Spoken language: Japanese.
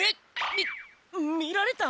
みっ見られた？